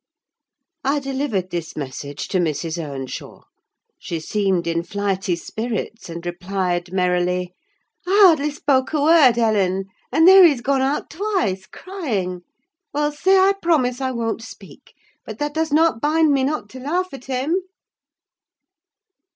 I delivered this message to Mrs. Earnshaw; she seemed in flighty spirits, and replied merrily, "I hardly spoke a word, Ellen, and there he has gone out twice, crying. Well, say I promise I won't speak: but that does not bind me not to laugh at him!"